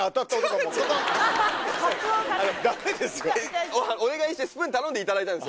あのお願いしてスプーン頼んでいただいたんですよ。